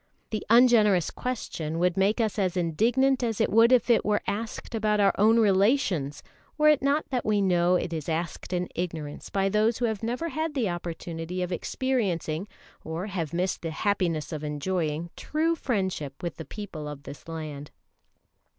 The ungenerous question would make us as indignant as it would if it were asked about our own relations, were it not that we know it is asked in ignorance by those who have never had the opportunity of experiencing, or have missed the happiness of enjoying, true friendship with the people of this land.